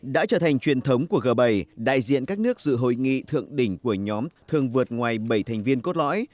đã trở thành truyền thống của g bảy đại diện các nước dự hội nghị thượng đỉnh của nhóm thường vượt ngoài bảy thành viên cốt lõi